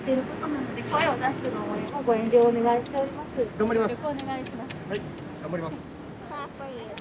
頑張ります。